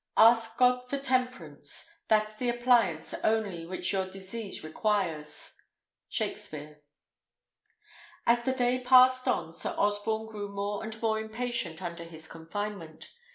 Ask God for temperance; that's the appliance only Which your disease requires. Shakspere. As the day passed on, Sir Osborne grew more and more impatient under his confinement.